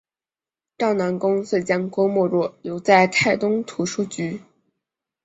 赵南公遂将郭沫若留在泰东图书局。